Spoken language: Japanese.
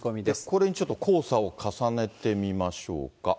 これにちょっと黄砂を重ねてみましょうか。